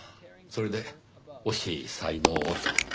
それで「惜しい才能を」と。